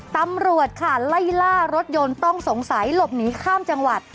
ตำรวจค่ะไล่ล่ารถยนต์ต้องสงสัยหลบหนีข้ามจังหวัด